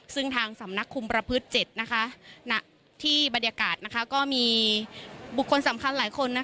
ซึ่งทางสำนักคุมประพฤติ๗ที่บรรยากาศก็มีบุคคลสำคัญหลายคน